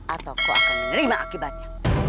atau kau akan menerima akibatnya